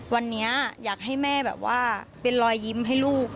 วันนี้อยากให้แม่แบบว่าเป็นรอยยิ้มให้ลูก